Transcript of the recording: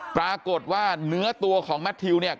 ปรากฏว่าเนื้อตัวของแมททิวเนี่ย